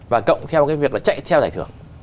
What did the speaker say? và cộng theo cái việc là chạy theo giải thưởng